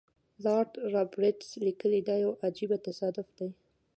لارډ رابرټس لیکي دا یو عجیب تصادف دی.